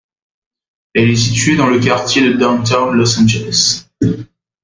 Elle est située dans le quartier de Downtown Los Angeles.